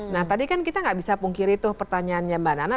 nah tadi kan kita nggak bisa pungkiri tuh pertanyaannya mbak nana